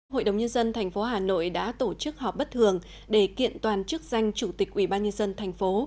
hội đồng nhân dân thành phố hà nội đã tổ chức họp bất thường để kiện toàn chức danh chủ tịch ủy ban nhân dân thành phố